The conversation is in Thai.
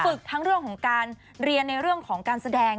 ทั้งเรื่องของการเรียนในเรื่องของการแสดง